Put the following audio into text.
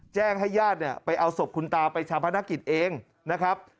แจ้งให้ญาติเนี่ยไปเอาศพคุณตาไปชาพนักกิจเองนะครับ